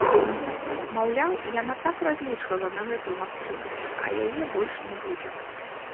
Маўляў, яна так разлічвала на гэтую магчымасць, а яе больш не будзе.